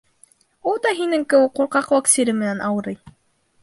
Ул да һинең кеүек ҡурҡаҡлыҡ сире менән ауырый.